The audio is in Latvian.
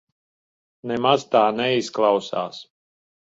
Nemaz tā neizklausās.